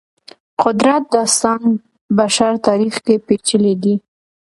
قدرت داستان بشر تاریخ کې پېچلي دی.